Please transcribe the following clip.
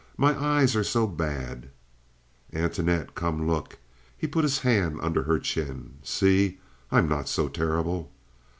My eyes are so bad." "Antoinette! Come, look!" He put his hand under her chin. "See, I'm not so terrible."